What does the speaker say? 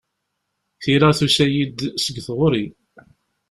Tira tusa-yi-d seg tɣuri.